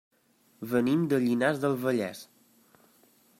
Venim de Llinars del Vallès.